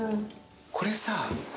これさ。